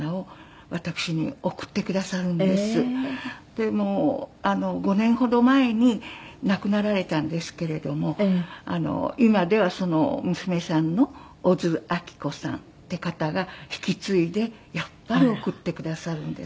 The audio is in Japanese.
でもう５年ほど前に亡くなられたんですけれども今ではその娘さんの小津亜紀子さんっていう方が引き継いでやっぱり送ってくださるんです。